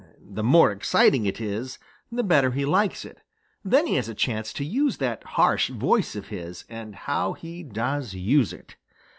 The more exciting it is, the better he likes it. Then he has a chance to use that harsh voice of his, and how he does use it!